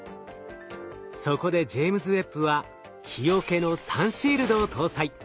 そこでジェイムズ・ウェッブは日よけのサンシールドを搭載。